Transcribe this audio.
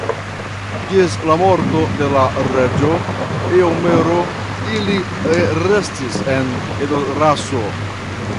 Ĝis la morto de la reĝo Eomero ili restis en Edoraso.